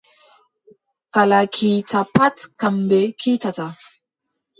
Kala kiita pat kamɓe kiitata.